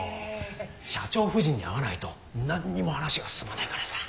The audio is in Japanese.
社長夫人に会わないと何にも話が進まないからさ。